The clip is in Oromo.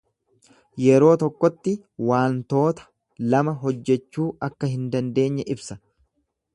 Yeroo tokkotti waantoota lama hojjechuu akka hin dandeenye ibsa.